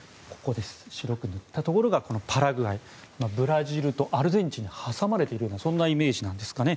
白く塗ったところがパラグアイですがブラジルとアルゼンチンに挟まれているようなそんなイメージなんですかね。